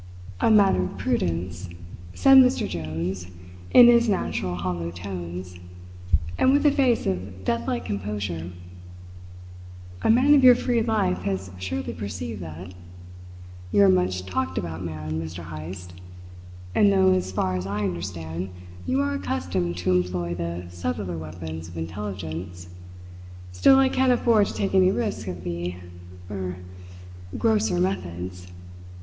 "A matter of prudence," said Mr. Jones in his natural hollow tones, and with a face of deathlike composure. "A man of your free life has surely perceived that. You are a much talked about man, Mr. Heyst and though, as far as I understand, you are accustomed to employ the subtler weapons of intelligence, still I can't afford to take any risks of the er grosser methods.